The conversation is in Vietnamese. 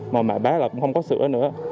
mà mẹ bác là cũng không có sữa nữa